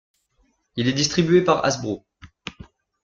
Il est distribué par Hasbro.